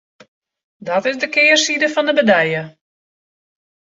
Dat is de kearside fan de medalje.